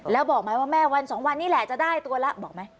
แล้วบอกไหมว่าแม่วันสองวันนี้แหละจะได้ตัวแล้วบอกไหม